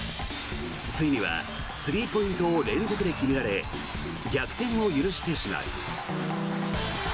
ついにはスリーポイントを連続で決められ逆転を許してしまう。